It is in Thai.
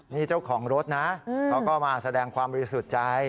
นี่เจ้าของรถนะเขาก็มาแสดงความบริสุทธิ์ใจ